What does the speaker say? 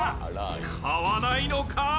買わないのか？